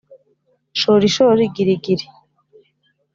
shorishori girigiri